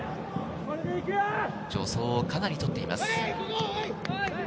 助走をかなりとっています。